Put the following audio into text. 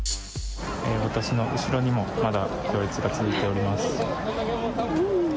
私の後ろにも、まだ行列が続いております。